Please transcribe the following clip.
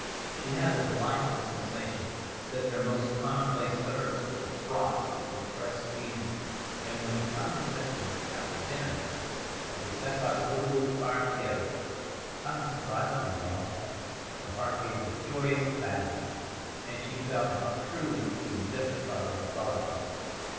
She had a delightful sensation that their most commonplace utterances were fraught with repressed feeling, and when he finally said to her, after dinner, as they sat by the little wood fire together, "I've a surprise for you, Doll," her heart gave a joyous bound, and she felt how truly he had justified her thought of him.